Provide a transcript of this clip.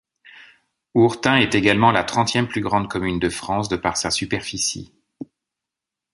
Hourtin est également la trentième plus grande commune de France de par sa superficie.